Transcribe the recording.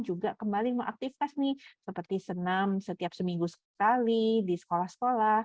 juga kembali mengaktifkan seperti senam setiap seminggu sekali di sekolah sekolah